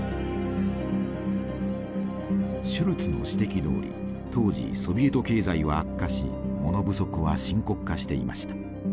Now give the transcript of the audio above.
シュルツの指摘どおり当時ソビエト経済は悪化し物不足は深刻化していました。